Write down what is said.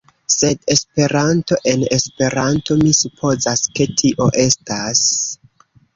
Sed Esperanto, en Esperanto mi supozas ke tio estas...